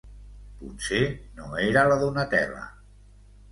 Potser no era la Donatella.